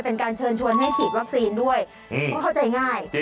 เป็นการเชิญชวนให้ฉีดวัคซีนด้วยเพราะเข้าใจง่าย